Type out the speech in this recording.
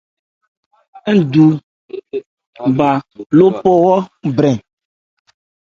Ńdu bha lɔ́phɔ́wo hromɛn.